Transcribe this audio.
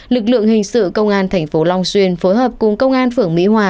lực lượng hình sự công an thành phố long xuyên phối hợp cùng công an phường mỹ hòa